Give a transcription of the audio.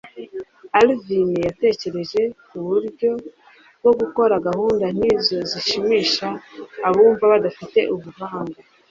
Alvin yatekereje kuburyo bwo gukora gahunda nkizo zishimisha abumva badafite ubuhanga